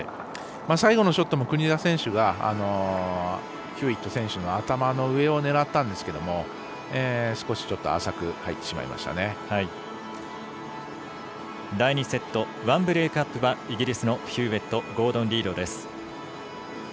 最後のショットも国枝選手がヒューウェット選手の頭の上を狙ったんですけれども第２セット１ブレークアップはイギリスのヒューウェットゴードン・リードです。